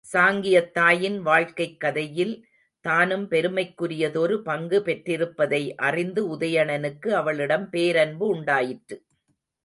சாங்கியத் தாயின் வாழ்க்கைக் கதையில் தானும் பெருமைக்குரிய தொரு பங்கு பெற்றிருப்பதை அறிந்து உதயணனுக்கு அவளிடம் பேரன்பு உண்டாயிற்று.